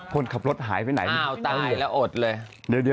คนขับรถหายไหนนี่